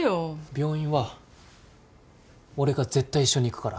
病院は俺が絶対一緒に行くから。